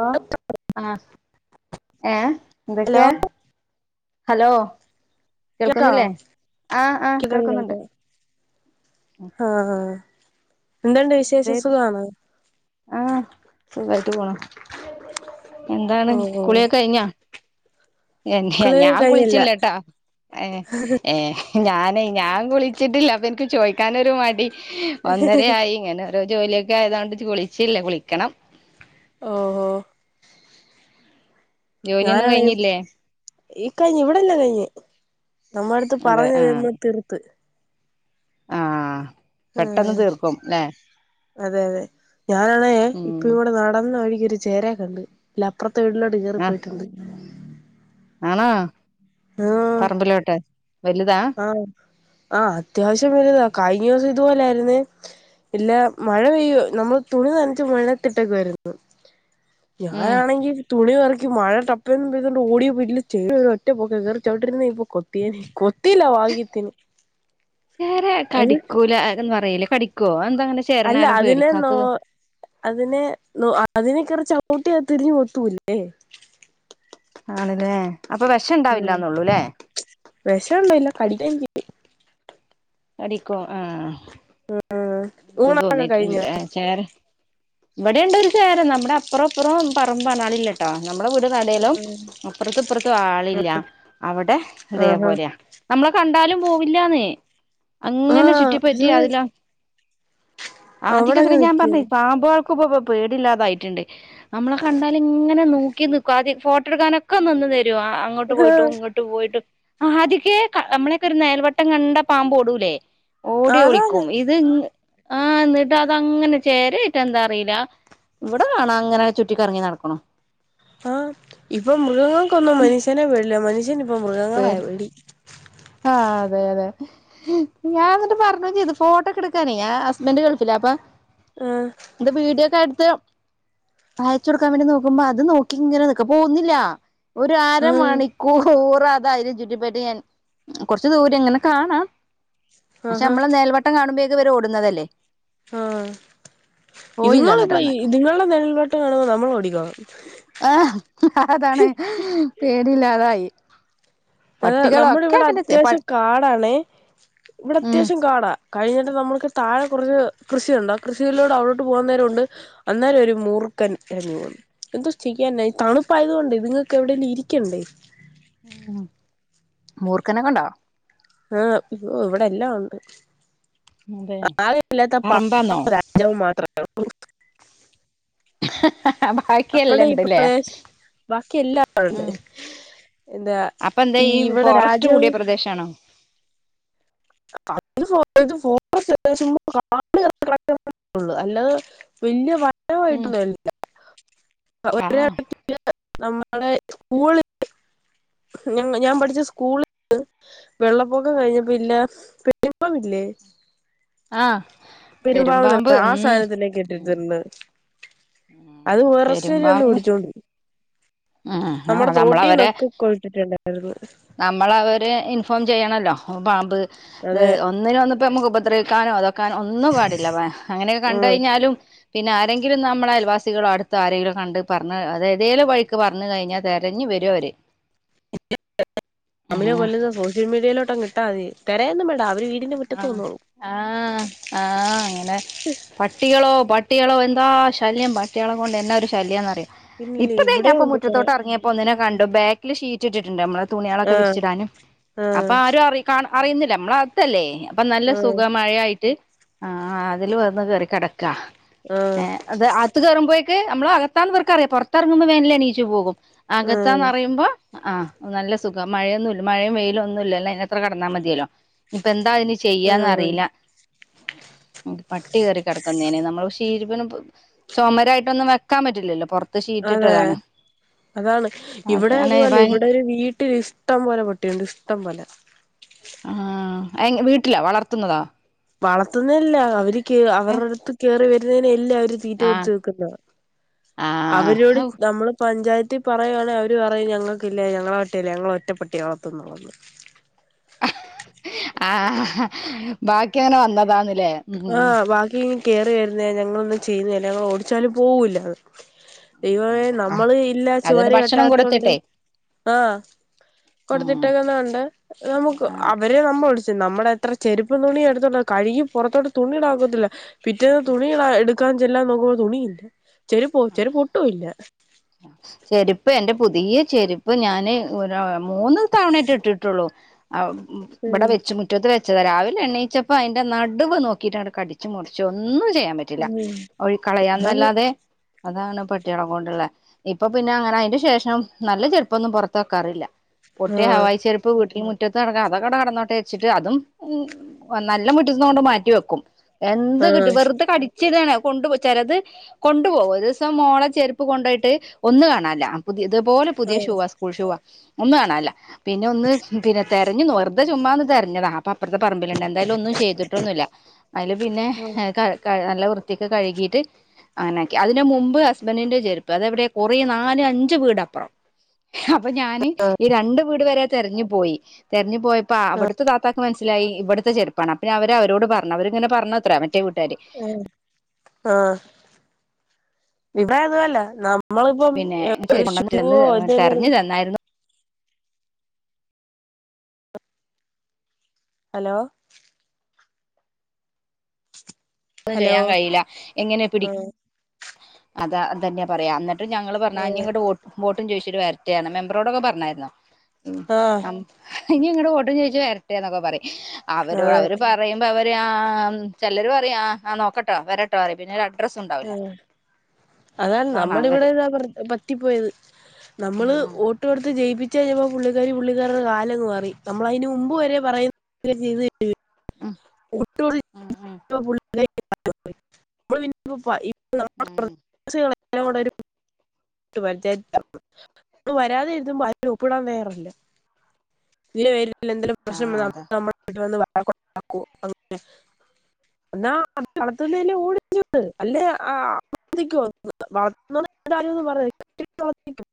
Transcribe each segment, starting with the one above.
ഓ ആഹ് ഹലോ ഏഹ്എന്തൊക്കെയാ? ഹലോ കേക്കാവോ കേൾക്കുന്നില്ലേ ആഹ് ആ കേക്കാം കേൾക്കുന്നുണ്ട്. കേക്കാം ആഹ് എന്ത്ണ്ട് എന്തേ വിശേഷം സുഖണോ? ആഹ് സുഖായിട്ട് പോണ്. എന്താണ് ഓഹോ കുളിയൊക്കെ കഴിഞ്ഞാ? ഹെ കുളി ഞാൻ കഴിഞ്ഞില്ല കുളിച്ചില്ലേട്ടാ ഏ ഏ. ഞാനെ ഞാൻ കുളിച്ചിട്ടില്ല അപ്പൊ എനിക്ക് ചോയ്ക്കാനൊരു മടി ഒന്നര ആയി ഇങ്ങനെ. ഓരോ ജോലിയൊക്കെ ആയതൊണ്ട് കുളിച്ചില്ല. കുളിക്കണം. ഓ ഓ ജോലിയൊന്നും ഞാനാണ്. കഴിഞ്ഞില്ലേ ഈ കഴിഞ്ഞ് ഇവിടെല്ലം കഴിഞ്ഞ് നമ്മ അടുത്ത് അതെ ആഹ് പറഞ്ഞവ തീർത്ത്. ആഹ് ആഹ് പെട്ടെന്ന് തീർക്കും അല്ലെ? അതെ അതെ ഞാനാണേ ഉം ഇപ്പ ഇവിടെ നടന്ന് വഴിക്കൊരു ചേരേ കണ്ട് ഇല്ല അപ്പുറത്തെ വീടിലോട്ട് കേറി ആഹ് പോയിട്ടുണ്ട്. ആണോ ആഹ് പറമ്പിലോട്ട്. വലുതാ? ആഹ് ആഹ് അത്യാവശ്യം വലുതാ. കഴിഞ്ഞ ദിവസം ഇത്പോലെ ആയിരുന്നേ. ഇല്ല മഴ പെയ്യ നമ്മള് തുണി നനച്ചു മഴത്തിട്ടേക്കായിരുന്നു. ഉം ഞാനാണെങ്കി. തുണി പെറക്കി മഴ ടപ്പന്ന് പെയ്തുകണ്ട് ഓടിയ സ്പിഡിൽ ചേര ഒറ്റ പോക്ക് കേറി ചവിട്ടിരുന്ന ഇപ്പോ കൊത്തിയേനെ കൊ. ചേര അത് കടിക്കൂല എന്ന് പറയ്ല്ലെ കടിക്കോ? എന്താങ്ങനെ അല്ല അതിനെ നോ അതിനെ നോ അതിനെക്കേറി ചവിട്ടിയ അത് തിരിഞ് കൊത്തൂല്ലേ. ആണ് ല്ലേ. അപ്പൊ വെഷ. ഉംഹ് വെഷൊന്നുല്ല കടിക്കായ്ര്ക്കും. കടിക്കോ ആഹ് ൻക്കും ഊണൊക്കെ കഴിഞ്ഞോ തോന്നീട്ടുണ്ട് ചേര. ഇവിടെ ണ്ട് ഒരു ചേര നമ്മുടെ അപ്പറും ഇപ്പറും പറമ്പ ആൾ ഇല്ല ഇട്ടോ നമ്മുടെ വീട് നടൂലും. ഉം അപ്പുറത്തും ഇപ്പറത്തും ആളില്ല. അവിടെ ആഹാ ഇതേപോലെയ. നമ്മളെ കണ്ടാലും പോവില്ലാന്നേ. അങ്ങനെ ആഹ് ചുറ്റിപ്പറ്റി അതാണ് അതില അവിടങ്ങ് ആദ്യക്കത്ര ഞാൻ പറഞ്ഞ് നിക്കുന്നു പാമ്പാൾ. ക്കും പോ പ്പോ പേടില്ലാതായിട്ട്ണ്ട്. നമ്മളെ കണ്ടാല് ഇങ്ങനെ നോക്കി നിക്കു ആദ്യ ഫോട്ടോ എടുക്കാനൊക്കെ നിന്ന് തരും. ആഹ് അങ്ങോട്ട് പോയിട്ടും ആഹ് ഇങ്ങോട്ട് പോയിട്ടും ക്കെ ആദ്യകേ നമ്മളൊക്കെ ഒരു നെഴൽവട്ടം കണ്ട പാമ്പ് ഓടൂലേ. ഓടി അതാണ് ഒളിക്കും ഇത് ഇ ആഹ് ന്നിട്ട് അതങ്ങനെ ചേരേയ്ട്ടാ എന്താ അറീല. ഇവിടെ കാണാം അങ്ങനെ ചുറ്റിക്കറങ്ങി നടക്ക്ണു. ആഹ് ഇപ്പൊ മൃഗങ്ങൾക്കൊന്നും മനുഷ്യനെ പേടില്ല മനുഷ്യനി ഇപ്പം മൃഗങ്ങളായ പേടി. ആഹ് അതെ അതെ. ഞാൻ ന്നിട്ട് പറഞ്ഞും ചെയ്ത് ഫോട്ടോക്കെടുക്കാനേ ഞാൻ ഹസ്ബൻഡറ് ഗൾഫിലാ അപ്പൊ. ആഹ് ത് വീഡിയൊക്കെ എടുത്ത്. അയച്ചൊട്ക്കാൻ വേണ്ടി നോക്കുമ്പോ അത് നോക്കി ഇങ്ങനെ നിക്ക. പോവുന്നില്ല ഒരു അര ആഹ് മണി. ക്കൂർ അതയിലിം ചുറ്റിപ്പറ്റി എൻ കൊറ്ച്ച് ദൂരെങ്ങനെ കാണാം. പക്ഷെ ആഹാ നമ്മള നെഴൽവട്ടം കാണുമ്പോഴേക്ക് ഇവര് ഓടുന്നതല്ലേ. ആഹ് പോയില്ല എന്നിട്ട് ഇത്ങ്ങൾപ്പൊ അന്ന് ഇത്ങ്ങളുടെ നെഴൽവെട്ടം കാണുമ്പോ നമ്മൾ ഓടിക്കാളണം. ആഹ് അതാണ് പേടില്ലാതായി. ഏ നമ്മള ഇവിടെ പ അത്യാവശ്യം കാടാണേ ഇവിടെ ഉം അത്യാവശ്യം കാടാ. കഴിഞ്ഞിട്ട് നമ്മുക്ക് താഴെ കുറച്ച് കൃഷിയുണ്ട് ആ കൃഷിയിലൂടെ അവിടോട്ട് പോകുന്നേരണ്ട്. അന്നേരം ഒരു മൂർക്കൻ എഴഞ്ഞ് പോണു. എന്തോ ചെയ്യാന ഈ തണുപ്പായത് കൊണ്ട് ഇത്ങ്ങൾക്ക് എവിടെലും ഇരിക്കണ്ടേ. ഉംഹ്. മൂർഖനെക്കണ്ടോ? ആഹ് ഒ ഇവിടെ എല്ലാം ഉണ്ട്. അതെ ആളെ ഇല്ലാത്ത [unintelligible] പ പറമ്പാന്നോ [unintelligible] രാജാവ് മാത്രേള്ളൂ നമ്മുടെ ഈ ബാക്കിയല്ലാംണ്ടല്ലേ പ്രദേശ ബാക്കി എല്ലാം ഉം എന്താ അപ്പൊ എന്താ ഈ ഇവിടെ ഫോറസ്റ്റ് രാജ്യം കൂടിയ പ്രദേശാണോ [unintelligible] അല്ലാതെ വെല്ല്യ ഉം ആഹ് [unintelligible] നമ്മുടെ സ്കൂള ഞ ഞാൻ പഠിച്ച സ്കൂള വെള്ളപ്പൊക്കം കഴിഞ്ഞപ്പല്ല [unintelligible] ല്ലേ ആഹ് പെരുമ്പാവൂർ നു പെരുമ്പാമ്പ് ഉം [unintelligible] സാധനത്തിലനേക്ക് ഉം കേട്ടിട്ടണ്ട് അത് ഫോറെസ്റ്റര് പെരുമ്പാമ്പ് വന്നിടിച്ചോണ്ട് ഉം ആ നമ്മുടെ തോട്ടീനൊക്കെ കൊട്ടിട്ടുണ്ടായിരുന്നു നമ്മള അവര് ഇൻഫോം ചെയ്യണല്ലോ പാമ്പ് ത് അതെ ഒന്നിനും വന്നിപ്പോ നമുക്ക് ഉപദ്രവിക്കാനോ അതൊക്കാനോ ഒന്നും പാടില്ല അങ്ങനെയൊക്കെ കണ്ട് ഉം കഴിഞ്ഞാലും പിന്നെ ആരെങ്കിലും ഒ നമ്മെ അയൽവാസികളോ അടുത്ത ആരെങ്കിലും കണ്ട് പറഞ് അത് ഏതേലും വഴിക്ക് പറഞ്ഞ് കഴിഞ്ഞാൽ തിരഞ്ഞ് വരും അവര് [unintelligible] അമിനെ ആഹ് കൊല്ലുന്ന സോഷ്യൽ മീഡിയയിലോട്ടങ്ങു ഇട്ടാൽ മതി തിരയോന്നും മേണ്ട അവര് വീടിന്റെ മുറ്റത്ത് ആഹ് വന്നോളൂ ആഹ് ആഹ് അങ്ങനെ പട്ടികളോ പട്ടികളോ എന്താ ശല്യം പട്ടികളെ കൊണ്ട് എന്ന ഒരു ശല്യം എന്നറിയാം പിന്നില്ലേ ഇപ്പതേ ഇവിടെ ഞാപ്പ ഉണ്ട് കൊറേ മുറ്റത്തോട്ട് ഇറങ്ങിയപ്പോ ഒന്നിനെ കണ്ടു ബാക്കില് ഷീറ്റ് ഇട്ടിട്ടുണ്ട് നമ്മ തുണികളൊക്കെ ആഹ് വിരിച്ചിടാനും ആഹ് അപ്പൊ ആരും അറി കാ അറിയുന്നില്ല നമ്മള അകത്തല്ലേ അപ്പൊ നല്ല ആഹ് സുഖ മഴായിട്ട് ആ അതില് വന്ന് കേറി കിടക്കാ ഏ അത് ആത്ത് കേറുമ്പോക്ക് നമ്മള അകത്താ ന്ന് വർക്കറിയാം പുറങ്ങുമ്പോ വേന എണീച്ചു പോകും ആഹ് അകത്താന്ന്റിയുമ്പോ ആഹ് നല്ല സുഖം മഴയൊന്നുമ ഇല്ല മഴയും വെയിലും ഒന്നുമ ഇല്ല അതിനന്ത്ര കടന്നാൽ മതിയല്ലോ ഇപ്പ എന്താ അ ആഹ് ആഹ് ചെയ്യാന്നറിയില്ല പട്ടി കയറി കിടക്കുന്നേ നമ്മള് ശീ [unintelligible] ന് ചുമരായിട്ടൊന്നും വെക്കാൻ പറ്റില്ലല്ലോ പുറ അതെ അതാണ് ഇവിടെ അതാണ് അതുപലെ ഭയ ഇവിടെ ഒരു വീട്ടലിഷ് ഇഷ്ടം പോലെ പട്ടിയുണ്ട് ഇഷ്ടം പോലെ ആഹ് വീട്ടിലാ വളർത്തുന്നതോ വളർത്തുന്നല്ല അവര് കേ ഏഹ് അവരുടെ അടുത്ത് കേയറി വരുന്നതിനെ അല്ല അവര് തീറ്റ ആഹ് കൊടുത്ത് നിക്കുന്നത് അവരോട് ആഹ് നമ്മള് പഞ്ചായത്തിൽ പറയുയാണെങ്ക അവര് പറയും ഞങ്ങൾക്കല്ലേ ഞങ്ങളെ പട്ടിയല്ല ഞങ്ങള ഒറ്റ പട്ടികളത്തന്നള്ളന്ന് ആ ബാക്കി അങ്ങനെ വന്നതാന്നല്ലേ ആഹ് ബാക്കി ഇങ് കയറി വരുന്നേ ഞങ്ങളൊന്നും ചെയ്യുന്നില്ല ഞങ്ങൾ ഓടിച്ചാലും പോകൂല്ലത് ഇവേ ഉം നമ്മള് ഇല്ല അതന് ചുവര് ഭക്ഷണം കെട്ടാത്തൊണ്ട് കൊടുത്തിട്ടെ ആഹ ഉം കൊടുത്തിട്ടക്കെന്നാ ഉണ്ട് നമുക്ക് ആഹ് അവരെ നമ്മൾ വിളിച്ചു നമ്മളെ എത്ര ചെരുപ്പ് തുണിയ എടുത്തുള്ള കഴുകി പുറത്തോടു തുണിളാക്കത്തില്ല പിറ്റേന്ന് തുണി എടുക്കാൻ ചെല്ലാൻ നോക്കുമ്പോൾ തുണിയില്ല ചെരി ആ ചെരുപ്പോട്ടും ഇല്ല ചെരുപ്പ് എന്റെ പുതിയ ചെരുപ്പ് ഞാന് മൂന്ന് തവണയട്ട ഇട്ടിട്ടുള്ളൂ ഇവിടെ ഉം വെച്ച റ്റൽ വെച്ചത് രാവില എണയിച്ചപ്പോൾ അതിൻ്റെടുവ് നോക്കിയിട്ടാട കടിച് മുറിച്ച് ഒന്നും ചെയ്യാൻ പറ്റും ഉം റ്റൂല അത് ക്കളയാന്നല്ലാതെ അതാണ് പെട്ടികളക്ക കൊണ്ടുള്ളത് ഇപ്പൊ പിന്നെ അങ്ങനെ അതിന് ശേഷം നല്ല ചെറുപ്പോന്നും പൊറത്ത് വെക്കാറില്ല പൊട്ടിയ ആഹ് ഹവായി് ചേരുപ്പ് വീട്ടിൽ മുറ്റത്ത് നടക്കാൻ അതൊ കട കടന്നോട്ടേ വച്ചിട്ട് അതും നല്ല മുട്ടിച്ചുന്ന മാറ്റിവ വെക്കും എന്ത് ആഹ് കിട്ട് വെറുതെ കടിച്ചിടാണ കൊണ്ട് പോ ചെലത് കൊണ്ടു പോകും അ ഒരുദിവസം മോളെ ചെരുപ്പ് കൊണ്ടോയിട്ട് ഒന്ന് കാണല്ല പുതിയതുപോലെ പുതിയ ഷൂവാസ് ഫുൾ ഷൂവ ഒന്നു കാണല്ല പിന്നെ ഒന്ന് പിന്നെ തെരഞ്ഞ് വെറുതെ ചുമ്മാ ഒന്ന് തെഞ്ഞതാ പ്പ അപ്പുറത്തെ പറമ്പിലുണ്ട് എന്തായാലും ഒന്നും ചെയ്തിട്ടൊന്നുമില്ല അയിൽ പിന്നെ ആഹ് നല്ല വൃത്തിക്ക് കഴുകിയിട്ട് അങ്ങനെ ആക്കി അത് ഇതിന്റെ മുമ്പ് ഹസ്ബന്റിന്റെ ചെരുപ്പ് അതെ എവിടെ കുറെ നാല് അഞ്ച് വീട് അപ്പറം അപ്പൊ ഞാന് ഈ രണ്ട് വീട് വരെ തെരഞ്ഞു പോയി തെരഞ്ഞു പോയപ്പോ അവിടുത്തെ താത്താക്ക്ക് മനസ് ലായി ഇവിടുത്തെ ചെറപ്പാണ് അപ്പോ അവര് അവരോട് പറഞ്ഞു അവരിങ്ങനെ പറഞ്ഞത്ര മറ്റേ വീട്ടാര് ആഹ് ഇവിടെ അതൊന്നുമല്ല നാ നമ്മളിപ്പം പിന്നെ ഒരു ചെരുപ്പ് ഷൂവോ കൊണ്ടുവന്ന് [unintelligible] തെരഞ്ഞു തന്നായിരുന്നു ഹലോ ഹലോ ചെയ്യാൻ കഴിയില്ല എങ്ങനെ പിടി ആഹ് അത അതന്നെ പറയാം എന്നിട്ട് ഞങ്ങള് പറഞ്ഞ ഇനി ആഹ് ഇങ്ങോട്ട് വോട്ടും ചോദിച്ചട്ട് വരട്ടെണ് മെമ്പറോടൊക്ക പറഞ്ഞായിരുന്നോ ആഹ് ഇനി ഇങ്ങോട്ട് വോട്ടും ചോദിച്ച് വരട്ടെ എന്നൊക്കെ പറയും അവരോട് അതെ അവര് പറ പറയുമ്പോ അവര് ആ ചെലർ പറയും ആ ആ നോക്കട്ടോ വരട്ടോ പിന്നെ അ ആഹ് അതാണ് നമ്മുടെ ഇവിടെയും ഇതാ പറ്റിപ്പോയത് നമ്മള് ഉം വോട്ട് കൊടുത്ത് ജയിപ്പി ച്ച് കയ്യുമ്പോ പുള്ളിക്കാരി പുള്ളിക്കാരുടെ കാല് അങ്ങ് മാറി നമ്മൾ അയിൻ്റെ മുമ്പ് വരെ പറയും പറയുന്നത് ഉം ഉം ഉം [unintelligible] ഇപ്പൊ നമ്മ ഉം [unintelligible] കൂടെ ഒരു [unintelligible] വരാതെ എഴുതുമ്പോ അയിൽ ഒപ്പിടാൻ നേരല്ല ഇതി പേരി എന്തെങ്കിലും ആ പ്രശ്നം വന്നി അതെ നമ്മ വീട്ടിൽ വന്ന് വഴക്കുണ്ടാകുവാ [inaudible] ഇന്നാ വളത്തുന്നില്ലേ ഓടിച്ച വിട് അല്ലെ [unintelligible] [unintelligible]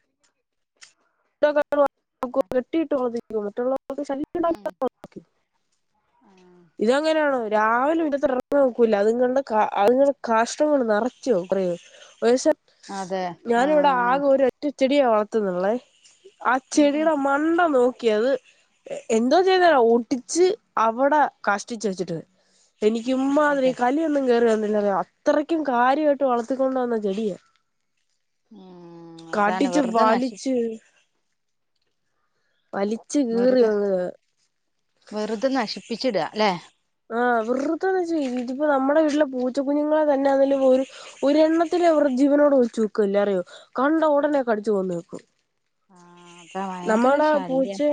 [unintelligible] കെട്ടിട്ട് [unintelligible] മറ്റുള്ളവക്ക് ശല്യം ഉണ്ടാക്കുക ഇതങ്ങനെയാണോ രാവിലെ ഇവിടെ തുറന്ന് നോക്കൂല്ല അത്ങ്ങളുടെ കാ അതുങ്ങളുടെ കാഷ്ടം ഇങ്ങനെ നിറച്ച് വെക്കും അറിയോ ഒരിസം അതെ ആ ഞാനിവിടെ ആകെ ഒരു ഒ റ്റ ചെടിയെ വളർത്തുന്നുള്ളേ ആ ഉം ഉം ചെടിയുടെ മണ്ട നോ ക്കിയത് എന്തോ ചെയ്താല് ഒടിച്ച് അവിടെ കാഷ്ടാച്ച് വെച്ചിട്ട് എനിക്കും ഇമ്മാതിരി അതെ കലിയൊന്നും കേറി വന്നില്ല അറിയോ അത്രയ്ക്കും കാര്യമായിട്ട് വളർത്തിക്കൊണ്ട് വന്ന ചെടിയ ഉം അതാണ് കടിച്ച് വെറുതെ നശിപ്പി വലിച്ച് വലി വെറുതെ വെറുതെ നശിപ്പിച്ചിട അല്ലെ ആഹ് വെറുതെ വെച്ച് ഇതിപ്പോ നമ്മടെ വീട്ടിലെ പൂച്ച കുഞ്ഞുങ്ങളെ തന്നെ അതിൽ ഒരു ഒരെണ്ണത്തിനെ ഒർജീവനോട് വെച്ചേക്ക്‌ല്ല അറിയോ കണ്ട ഉടനെ കടിച്ച് കൊന്ന് വെക്കും. ആ അതാ ഭയങ്കര നമ്മടെ ശല്യം പൂച്ചെ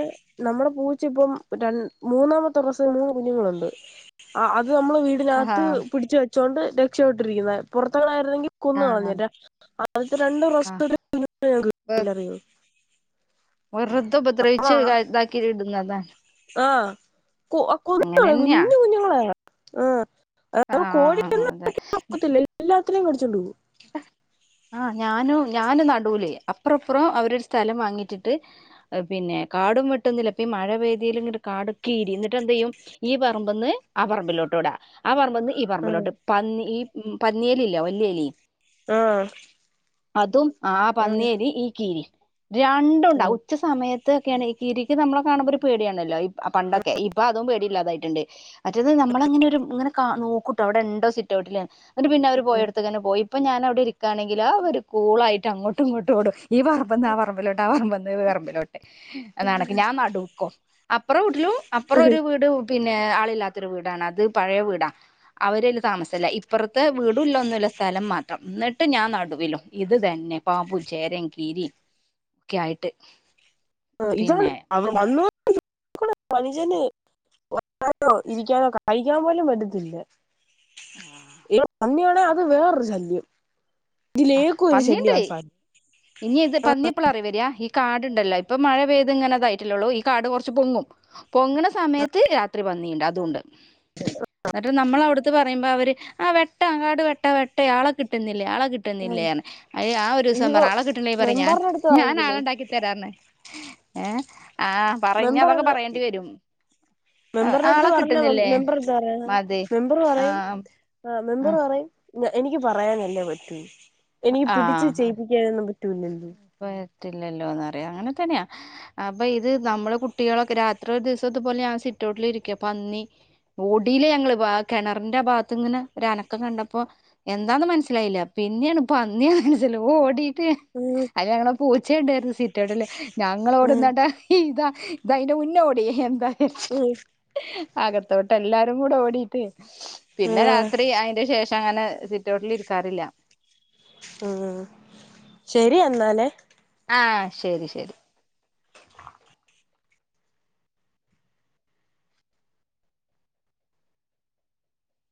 നമ്മളെ പൂച്ച ഇപ്പം ര മൂന്നാമത്തെ പ്രസവം മൂന്ന് കുഞ്ഞുങ്ങളുണ്ട് അ അത് അമ്മളെ വീ ആ ടിനത്ത് പിടിച്ച് വെച്ചൊണ്ട് രക്ഷപ്പെട്ടിരിക്കുന്ന പുറത്തൊളളാ യിര്ന്നെങ്കി കൊന്ന് ആ കളഞ്ഞേനെ ആദ്യത്തെ രണ്ട് ആ പ്രസവത്തി [unintelligible] വെറ്തെ ഉപദ്രവിച്ച് ഇതാക്കി ഇട്ന്നതാ ആ കു കൊന്നുകളയും അങ്ങനെന്നെയാ കുഞ്ഞു കുഞ്ഞുങ്ങളെ ആ ആഹ് അതെ. എല്ലാത്തിനെയും കടിച്ചോ ണ്ടുപോവും. ആഹ് ഞാനും ഞാന് നടൂല് അപ്പറും ഇപ്പറും അവര് ഒരു സ്ഥലം വാങ്ങി ടിട്ട് പിന്നെ കാടും വെട്ടുന്നില്ല ഇപ്പം ഈ മഴ പെയ്തേല് ഇങ്ങട്ട് കാടൊക്കെ ഇരിം ഇന്നിട്ടെന്തെയ്യും. ഈ പറമ്പ്ന്ന് ആ പർമ്പിലോട്ടൊടാ ആ പർ മ്പ്ന്ന് ഈ ആഹ് പറമ്പിലോട്ട് പന്നി ഈ പന്നിയലി ഇല്ലേ വല്യ എലി ആഹ് അതും ആ ആഹ് പന്നേലി ഈ കീരിം രണ്ടുണ്ടാവും ഉച്ച സമയത്തൊക്കേണ് ഈ കീരിക്ക് നമ്മളെ കാണുമ്പോ ഒര് പേട്യാണല്ലോ പണ്ടൊക്കെ ഇപ്പൊ അതും പേടില്ലാതായിട്ട്ണ്ട്. മറ്റേത് നമ്മളങ്ങനൊരു ഇങ്ങനെ കാ നോക്കൂട്ടോ അവ്ടെണ്ടോ സിറ്റ് ഔട്ടില് ന്ന്ട്ട് പിന്നെ അവര് പോയോട്ത്ത്കന്നെ പോയി ഇപ്പം ഞാനവ്ടെ ഇരിക്കാണെങ്കില് അവര് കൂളായിട്ട് അങ്ങോട്ടുംഇങ്ങോട്ടും ഓടും ഈ പറമ്പ്ന്ന് ആ പറമ്പിലോട്ട് ആ പറമ്പ്ന്ന് ഈ പറമ്പിലോട്ട്. എന്നകണക്ക് ഞാൻ നടൂക്കും അപ്പറം വീട്ട്ലും അപ്പറം ആഹ് ഒര് വീട് പിന്നെ ആളില്ലാത്തൊരു വീടാണ് അത് പഴയ വീടാ അവരയ്ല് താമസല്ല ഇപ്പർത്തെ വീട് ടൊന്നുംല്ല സ്ഥലം മാത്രം ഇന്നട്ട് ഞാൻ നടുവിലും ഇത് തന്നെ പാമ്പും, ചേരേം, കീരിം ക്കെയായിട്ട്. [unintelligible] വരാനോ ഇരിക്യാനോ കഴിക്കാൻ പോലും പറ്റത്തില്ല. ഈ പന്ന്യാണേ അത് വേറൊരു ശല്യം. ആ ഇതിലേക്കും ഒര് പന്നിയുണ്ട് ശല്ല്യവാ സാനം ആഹ് ആഹ്. എപ്പളാറിയോ വര ഈ കാട്ണ്ടല്ലോ ഇപ്പൊ മഴ പെയ്ത് ഇങ്ങനെതായിട്ടല്ലെള്ളൂ ഈ കാട് കൊർച്ച് പൊങ്ങും പൊങ്ങ്ണ സമയത്ത് രാത്രി പന്നീണ്ട് അതൂണ്ട് ന്നട്ട് നമ്മളവ്ട് ത്ത് പറയുമ്പൊ അവര് ആഹ് വെട്ടാ കാട് വെട്ടാ വെട്ട ആളെ കിട്ട്ന്നില്ല ആളെ കി ആഹ് ട്ട്ന്നില്ലേന്ന് അയ്‌ല് ഞാ ഒരൂസം ഇതിപ്പോ പർഞ്ഞ് ആളെ കിട്ട്ണ്ല്ലെ പറി ഞാൻ മെമ്പറിന്റെ അടുത്ത് വാങ്ങിക്കില്ലേ ഞാനാളെണ്ടാക്കിത്തരാർ ഞ്ഞ്. ഏഹ് ആഹ്. മെമ്പർ മെമ്പറെട്ത്ത് ആളെ പർഞ്ഞ കിട്ടുന്നില്ലേ മെമ്പറെത്താ പറയ്ന്നെ മതി മെമ്പറ് പറയും ആഹ് ആഹ് മെമ്പറ് പറിം എനിക്ക് പറയാനല്ലേ പറ്റൂ എനിക്ക് പിടിച്ച് ചെയ്യിപ്പിക്കാനൊന്നും പറ്റൂല്ലല്ലോ. പറ്റില്ലല്ലോന്നറിയ അങ്ങനെതന്ന്യാ. അപ്പൊ ഇത് നമ്മള് കുട്ടികളൊക്കെ രാത്രി ഒരു ദിവസം ഇത്പോലെ ഞാൻ സിറ്റൗട്ടിലിരിക്ക പന്നി ഓടീലെ ഞങ്ങള് ആ കെണറിന്റെ ഭാഗത്ത്ങ്ങനെ ഒരനക്കം കണ്ടപ്പം എന്താന്ന് മൻസ്സിലായില്ല പിന്നേണ് പന്ന്യാന്ന്മൻസ്സി ഓടീട്ട്. ആഹ് അയ്ല് ഞങ്ങളെ പൂച്ചേണ്ടായിര്ന്നു സിറ്റൗട്ടില് ആഹ് ഞങ്ങളോട്ന്നണ്ടാ ഇതാ ഇതയ്ൻ്റെ മുന്നോടി എന്താര്ച്ച്. ആഹ് അകത്തോട്ട് എല്ലാരും കൂടെ ഓടീട്ട് പിന്നെ ആഹ് രാത്രി അയ്ന്റെ ശേഷങ്ങനെ സിറ്റൗട്ടിലിരിക്കാറില്ല. മ്. ശെരി എന്നാലെ. ആഹ് ശെരി ശെരി.